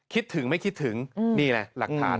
คิดถึงไม่คิดถึงนี่แหละหลักฐาน